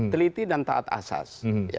teliti dan taat asas